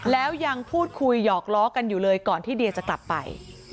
แล้วยังพูดคุยหยอกล้อกันอยู่เลยก่อนที่เดียจะกลับไป